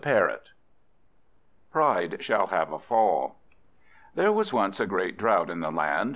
Pride shall have a Fall THERE was once a great drought in the land.